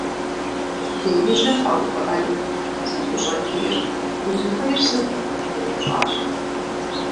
Беижьыр къэувыӀэри: - Сыт ущӀэкӀийр? Узыхуейр сыт?! - къеупщӀащ.